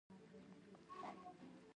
ما ورته وویل: په تا څه شوي دي؟ څه ستونزه ده؟